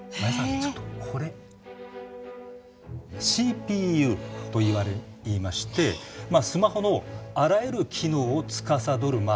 ちょっとこれＣＰＵといいましてスマホのあらゆる機能をつかさどるまあ